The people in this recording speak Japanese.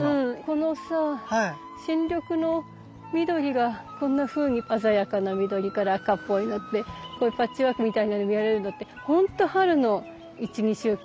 このさ新緑の緑がこんなふうに鮮やかな緑から赤っぽいのあってこういうパッチワークみたいなの見られるのってほんと春の１２週間。